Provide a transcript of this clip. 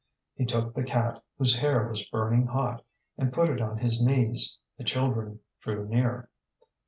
ŌĆØ He took the cat, whose hair was burning hot, and put it on his knees. The children drew near.